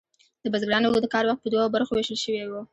د بزګرانو د کار وخت په دوو برخو ویشل شوی و.